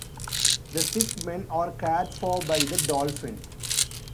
The sick men are cared for by the "Dolphin".